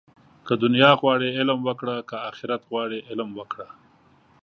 که دنیا غواړې، علم وکړه. که آخرت غواړې علم وکړه